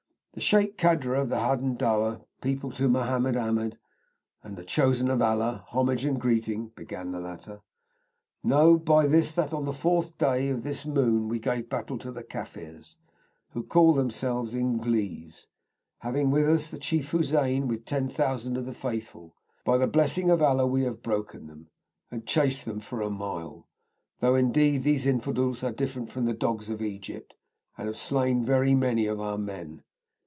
The Sheik Kadra of the Hadendowa people to Mohammed Ahmed, the chosen of Allah, homage and greeting, (began the latter). Know by this that on the fourth day of this moon we gave battle to the Kaffirs who call themselves Inglees, having with us the Chief Hussein with ten thousand of the faithful. By the blessing of Allah we have broken them, and chased them for a mile, though indeed these infidels are different from the dogs of Egypt, and have slain very many of our men.